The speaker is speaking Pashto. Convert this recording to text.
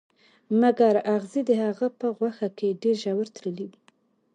مګر اغزي د هغه په غوښه کې ډیر ژور تللي وو